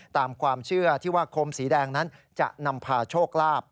ตามความเชื่อที่ว่าคมสีแดงนั้นจะนำพาโชคลาภ